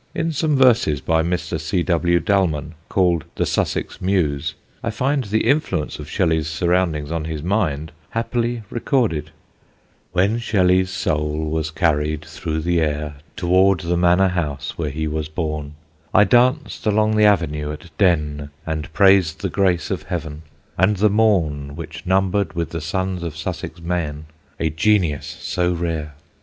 In some verses by Mr. C. W. Dalmon called "The Sussex Muse," I find the influence of Shelley's surroundings on his mind happily recorded: "When Shelley's soul was carried through the air Toward the manor house where he was born, I danced along the avenue at Denne, And praised the grace of Heaven, and the morn Which numbered with the sons of Sussex men A genius so rare!